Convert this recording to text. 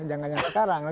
jangan yang sekarang